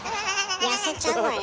痩せちゃうわよ？